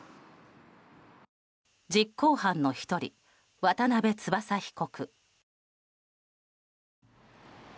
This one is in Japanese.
実行犯の１人、渡邉翼被告。